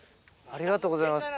ありがとうございます。